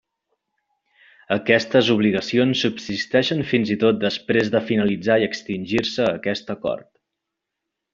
Aquestes obligacions subsisteixen fins i tot després de finalitzar i extingir-se aquest acord.